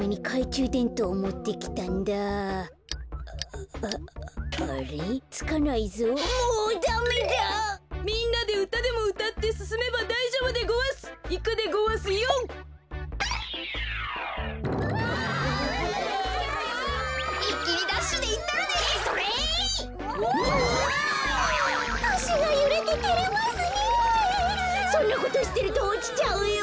そんなことしてるとおちちゃうよ！